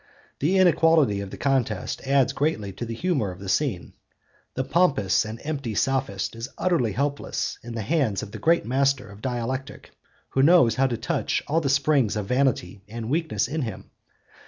The inequality of the contest adds greatly to the humour of the scene. The pompous and empty Sophist is utterly helpless in the hands of the great master of dialectic, who knows how to touch all the springs of vanity and weakness in him.